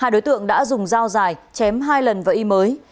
hai đối tượng đã dùng dao dài chém hai lần vào i mới